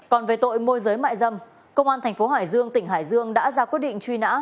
còn về tội môi giới mại dâm công an thành phố hải dương tỉnh hải dương đã ra quyết định truy nã